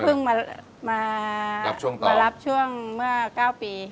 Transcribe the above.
เพราะว่าเพิ่งมารับช่วงเมื่อ๙ปี